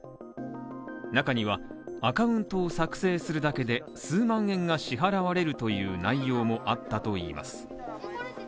中には、アカウントを作成するだけで数万円が支払われるという内容もあったといいます。